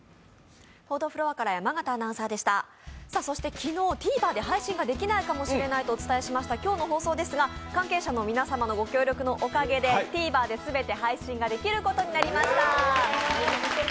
そして昨日、ＴＶｅｒで配信ができないかもしれないとお伝えした、今日の放送ですが関係者の皆様のご協力のおかげでＴｖｅｒで全て配信ができることになりました。